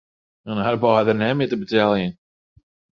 In arbeider is net mear te beteljen.